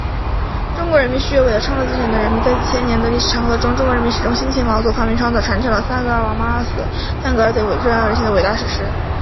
中国人民是具有伟大创造精神的人民。在几千年历史长河中，中国人民始终辛勤劳作、发明创造……传承了萨格尔王、玛纳斯、江格尔等震撼人心的伟大史诗……